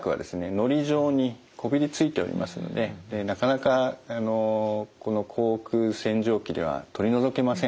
のり状にこびりついておりますのでなかなかあのこの口腔洗浄機では取り除けません。